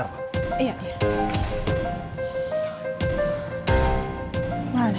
tok ga ada